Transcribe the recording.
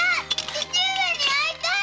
父上に会いたい！